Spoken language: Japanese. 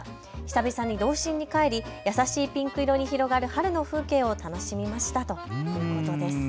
久々に童心に返り優しいピンク色に広がる春の風景を楽しみましたということです。